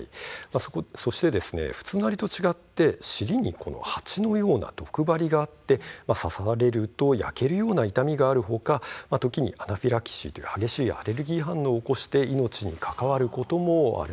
普通のアリと違って尻にハチのような毒針があって刺されると焼けるような痛みがある他時にアナフィラキシーという激しいアレルギー反応を起こして危ないですね。